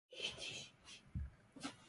Oiko ka'aguýre.